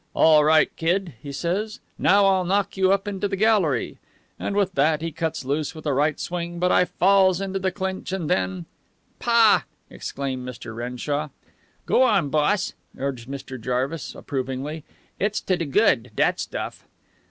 "All right, Kid," he says; "now I'll knock you up into the gallery." And with that he cuts loose with a right swing, but I falls into the clinch, and then '" "Pah!" exclaimed Mr. Renshaw. "Go on, boss," urged Mr. Jarvis approvingly. "It's to de good, dat stuff."